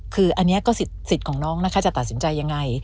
คืออันนี้ก็สิทธิ์ของน้องนะคะจะตัดสินใจยังไง